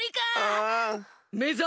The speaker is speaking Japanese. めざ！